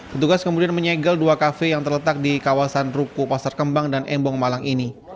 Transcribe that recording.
petugas kemudian menyegel dua kafe yang terletak di kawasan ruku pasar kembang dan embong malang ini